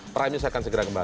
prime news akan segera kembali